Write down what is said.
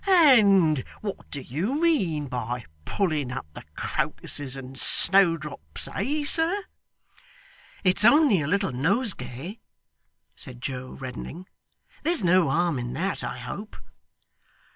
And what do you mean by pulling up the crocuses and snowdrops, eh sir?' 'It's only a little nosegay,' said Joe, reddening. 'There's no harm in that, I hope?